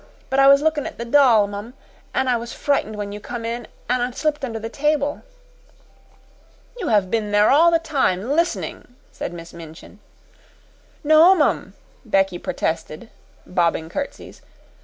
But I was lookin' at the doll, mum an' I was frightened when you come in an' slipped under the table." "You have been there all the time, listening," said Miss Minchin. "No, mum," Becky protested, bobbing curtsies.